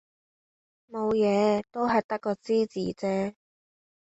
冇嘢，都係得個知字啫